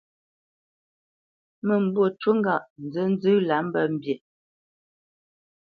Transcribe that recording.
Mə́mbû ncu ŋgâʼ nzənzə́ lǎ mbə mbî.